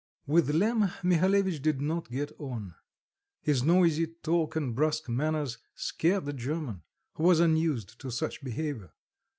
With Lemm, Mihalevitch did not get on; his noisy talk and brusque manners scared the German, who was unused to such behaviour.